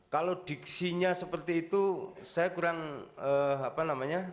kalau diksinya seperti itu saya kurang apa namanya